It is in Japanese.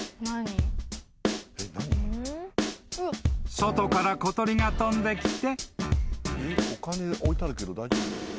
［外から小鳥が飛んできて］